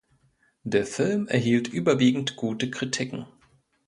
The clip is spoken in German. Der Film erhielt überwiegend gute Kritiken.